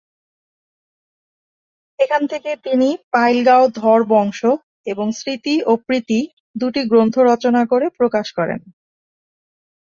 এখান থেকে তিনি "পাইল গাঁও ধর বংশ" এবং "স্মৃতি ও প্রীতি" দুটি গ্রন্থ রচনা করে প্রকাশ করেন।